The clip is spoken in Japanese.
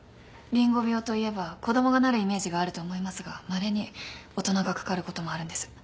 リンゴ病といえば子供がなるイメージがあると思いますがまれに大人がかかることもあるんです。